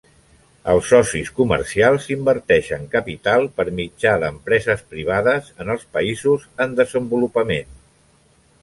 Els socis comercials inverteixen capital per mitjà d'empreses privades en els països en desenvolupament.